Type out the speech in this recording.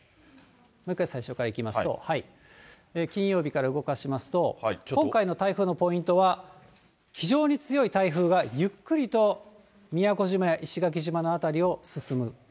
もう一回最初からいきますと、金曜日から動かしますと、今回の台風のポイントは、非常に強い台風が、ゆっくりと宮古島や石垣島の辺りを進む。